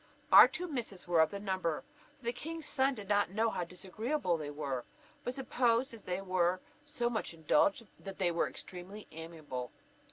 Our two misses were of the number, for the king's son did not know how disagreeable they were, but supposed, as they were so much indulged, that they were extremely amiable.